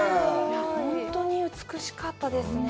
本当に美しかったですね。